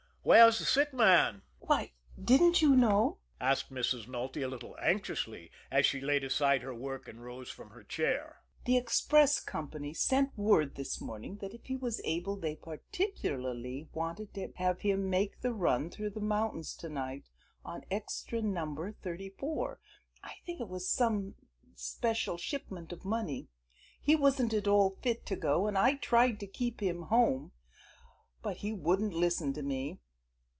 "Where's the sick man?" "Why, didn't you know?" said Mrs. Nulty a little anxiously, as she laid aside her work and rose from her chair. "The express company sent word this morning that if he was able they particularly wanted to have him make the run through the mountains to night on Extra Number Thirty four I think there was some special shipment of money. He wasn't at all fit to go, and I tried to keep him home, but he wouldn't listen to me.